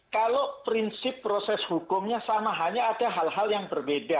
kalau prinsip proses hukumnya sama hanya ada hal hal yang berbeda